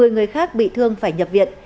một mươi người khác bị thương phải nhập viện